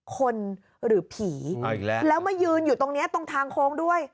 หรือผีอีกแล้วแล้วมายืนอยู่ตรงนี้ตรงทางโค้งด้วย